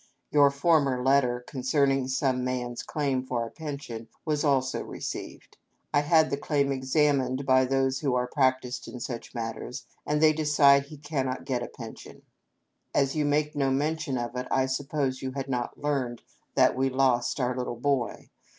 Your former letter, concerning some man's claim for a pension, was also received. I had the claim examined by those who are prac tised in such matters, and they decide he cannot get a pen sion. " As you make no mention of it, I suppose you had not learned that we lost our little boy.